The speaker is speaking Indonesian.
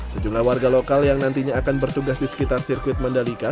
sejumlah warga lokal yang nantinya akan bertugas di sekitar sirkuit mandalika